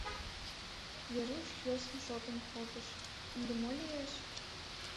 Веруш йӧсын шортын колтыш: — Ынде мо лиеш?